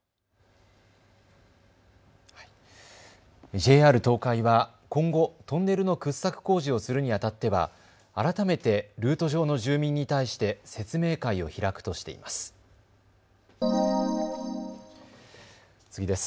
ＪＲ東海は今後、トンネルの掘削工事をするにあたっては改めてルート上の住民に対して説明会を開くとしています。